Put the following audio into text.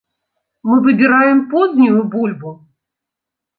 Мы выбіраем познюю бульбу.